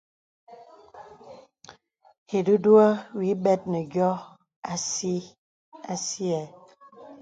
Ìdùŋùhə wì bɛt nə yô asìɛ.